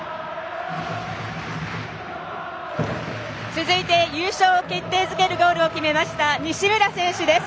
続いて優勝を決定付けるゴールを決めました西村選手です。